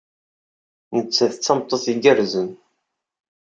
Nettat d tameṭṭut igerrzen.